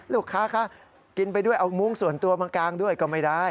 ลูกค้าคะกินไปด้วยเอามุ้งส่วนตัวมากางด้วยก็ไม่ได้